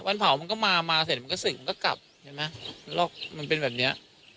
วันเผามันก็มามาเสร็จมันก็ศึกมันก็กลับเห็นไหมแล้วมันเป็นแบบเนี้ย